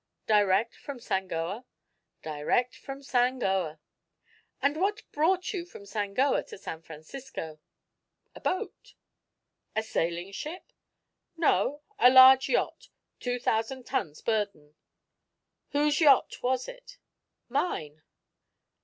"Direct from Sangoa?" "Direct from Sangoa." "And what brought you from Sangoa to San Francisco?" "A boat." "A sailing ship?" "No, a large yacht. Two thousand tons burden." "Whose yacht was it?" "Mine."